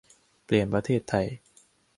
'เปลี่ยนประเทศไทย'